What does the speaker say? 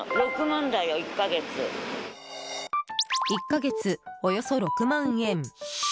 １か月およそ６万円。